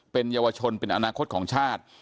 เป็นเยาวชนเป็นอนาคตของชาติ